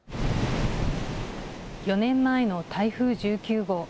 ４年前の台風１９号。